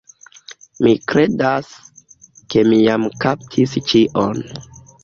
Mi kredas ke mi jam kaptis ĉion.